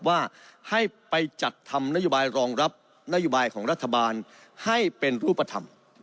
ว่าให้ไปจัดทำนโยบายรองรับนโยบายของรัฐบาลให้เป็นรูปธรรม